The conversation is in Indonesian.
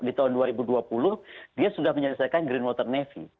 di tahun dua ribu dua puluh dia sudah menyelesaikan green water navy